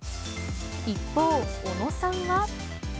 一方、尾野さんは。